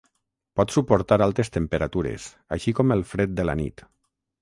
Pot suportar altes temperatures, així com el fred de la nit.